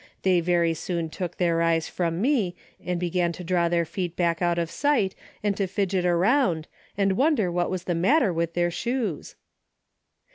They very soon took their eyes from me and began to draw their feet back out of sight and to fidget around and wonder what was the matter with their shoes."